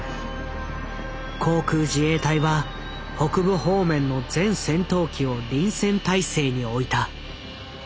航空自衛隊は北部方面の全戦闘機を臨戦態勢においた。